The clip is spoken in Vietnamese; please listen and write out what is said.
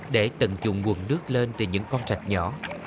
để tận dụng nguồn nước lên từ những con rạch nhỏ